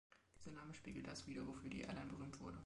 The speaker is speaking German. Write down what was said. Dieser Name spiegelt das wider, wofür die Airline berühmt wurde.